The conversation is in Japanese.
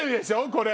これ！